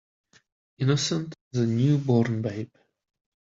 Innocent as a new born babe.